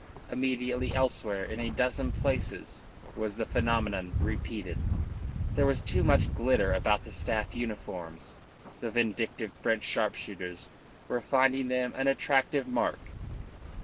Immediately elsewhere in a dozen places was the phenomenon repeated. There was too much glitter about the staff uniforms and vindictive French sharpshooters were finding them an attractive mark.